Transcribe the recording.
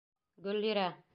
Гөллирә.